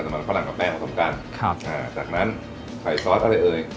มันฝรั่งกับแป้งผสมกันครับอ่าจากนั้นใส่ซอสอะไรเอ่ย